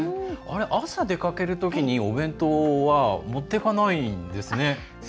朝出かけるときにお弁当は持って行かないんですね。